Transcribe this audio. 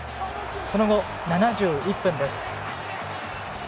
その後、７１分です。